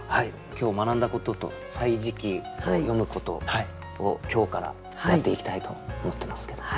今日学んだことと「歳時記」を読むことを今日からやっていきたいと思ってますけども。